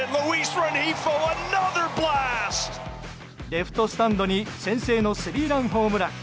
レフトスタンドに先制のスリーランホームラン。